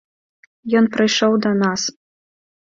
Ён прыйшоў да нас.